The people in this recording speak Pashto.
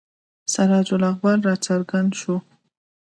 سراج الاخبار را څرګند شو.